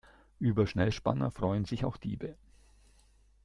Über Schnellspanner freuen sich auch Diebe.